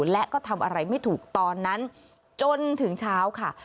และก็ทำอะไรไม่ถูกตอนนั้นจนถึงเช้าค่ะ